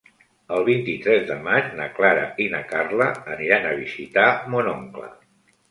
El vint-i-tres de maig na Clara i na Carla aniran a visitar mon oncle.